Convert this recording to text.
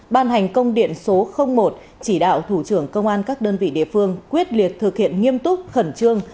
ban hành công điện số một chỉ đạo thủ trưởng công an các đơn vị địa phương quyết liệt thực hiện nghiêm túc khẩn trương